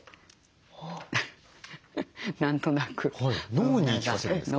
脳に言い聞かせるんですか？